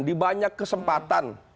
di banyak kesempatan